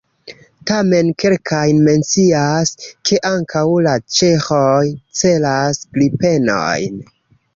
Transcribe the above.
Tamen kelkaj mencias, ke ankaŭ la ĉeĥoj celas Gripenojn.